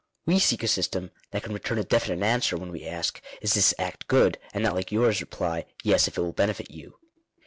We seek a system that can return a definite answer when we ask — 'Is this act good?' and not like yours, reply — 'Yes, if it will benefit you.'